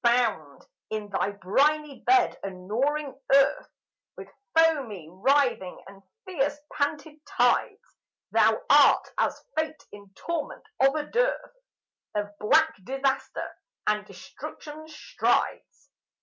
Bound in thy briny bed and gnawing earth With foamy writhing and fierce panted tides, Thou art as Fate in torment of a dearth Of black disaster and destruction's strides.